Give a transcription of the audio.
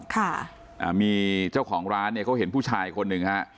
ค่ะอ่ามีเจ้าของร้านเนี่ยเขาเห็นผู้ชายคนหนึ่งฮะ